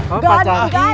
kamu pacar dia